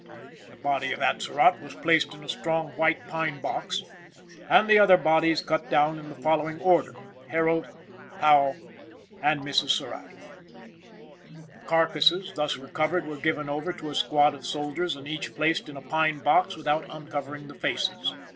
The body of Atzerott was placed in a strong white pine box, and the other bodies cut down in the following order, Harold, Powell, and Mrs. Surratt. The carcasses thus recovered were given over to a squad of soldiers and each placed in a pine box without uncovering the faces.